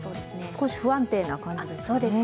少し不安定な感じですか？